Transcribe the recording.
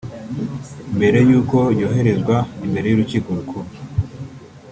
mbere y’uko yoherezwa imbere y’urukiko rukuru